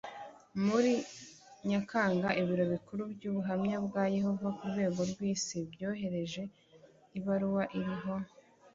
Muri nyakanga ibiro bikuru by abahamya ba yehova ku rwego rw isi byoherereje ibaruwa iriho